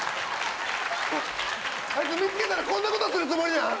あいつ見つけたらこんなことするつもりなん！？